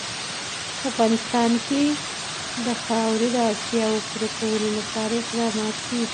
په افغانستان کې د خاوره د اړتیاوو پوره کولو لپاره اقدامات کېږي.